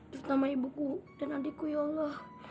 terutama ibuku dan adikku ya allah